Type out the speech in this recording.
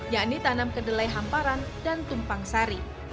yakni tanam kedelai hamparan dan tumpang sari